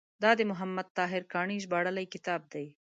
دا د محمد طاهر کاڼي ژباړلی کتاب دی.